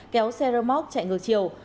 kéo xe ramok chạy ngược chiều